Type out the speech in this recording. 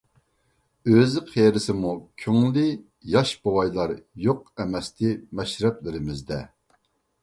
ئۆزى قېرىسىمۇ كۆڭلى ياش بوۋايلار يوق ئەمەستى مەشرەپلىرىمىزدە.